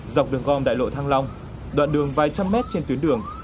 dọc đường gom đại lộ thăng long đoạn đường vài trăm mét trên tuyến đường